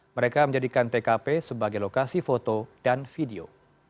mereka menjadikan tkp sebagai lokasi foto dan video